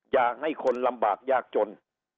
อยากให้คนลำบากยากจน